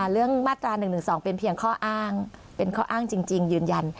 เรื่องมาตรา๑๑๒เป็นเพียงข้ออ้างเป็นข้ออ้างจริงยืนยัน